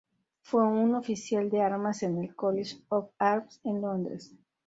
Fue un oficial de armas en el College of Arms en Londres.